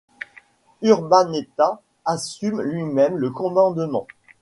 Urdaneta assume lui-même le commandement.